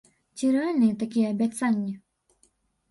Ці рэальныя такія абяцанні?